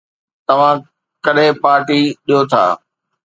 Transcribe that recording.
توهان ڪڏهن پارٽي ڏيو ٿا؟